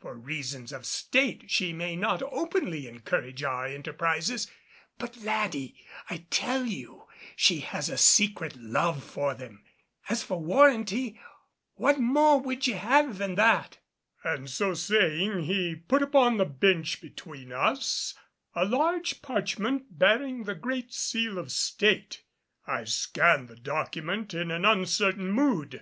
For reasons of state she may not openly encourage our enterprises; but, laddie, I tell you she has a secret love for them. As for warranty, what more would ye have than that?" And so saying, he put upon the bench between us a large parchment bearing the Great Seal of State. I scanned the document in an uncertain mood.